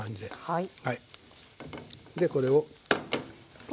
はい。